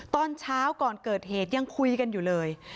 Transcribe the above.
ตอนเช้าก่อนเกิดเหตุยังคุยกันอยู่เลย